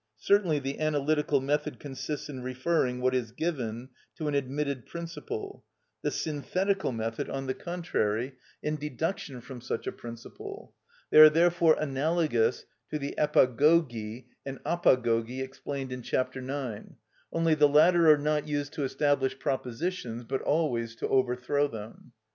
Certainly the analytical method consists in referring what is given to an admitted principle; the synthetical method, on the contrary, in deduction from such a principle. They are therefore analogous to the επαγωγη and απαγωγη explained in chapter ix.; only the latter are not used to establish propositions, but always to overthrow them.